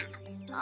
あ。